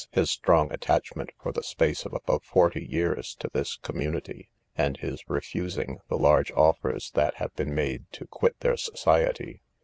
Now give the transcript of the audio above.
his strong attachment, for the space of above forty years, to this community, and his refusing the large offers that have been made to quit their society.